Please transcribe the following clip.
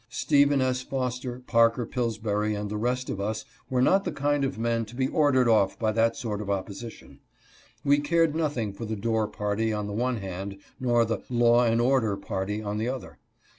Stephen S. Foster, Parker Pillsbury, and the rest of us were not the kind of 274 A SIMPLE QUAKER BEAUTY. men to be ordered off by that sort of opposition. We cared nothing for the Dorr party on the one hand, nor the " law and order party " on the other.